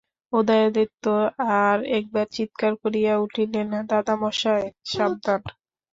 উদয়াদিত্য আর-একবার চীৎকার করিয়া উঠিলেন, দাদামহাশয়, সাবধান।